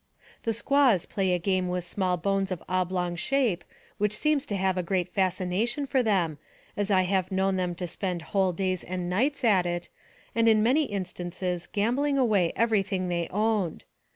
The squaws play a game with small bones of oblong shape, which seems to have a great fascination for them, as I have known them to spend whole days and nights at it, and in many instances gambling away every thing they owned.